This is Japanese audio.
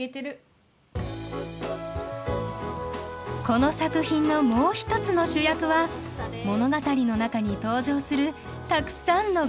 この作品のもう一つの主役は物語の中に登場するたくさんのごはん。